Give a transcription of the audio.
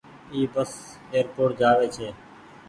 اي بس ايئر پوٽ جآ وي ڇي۔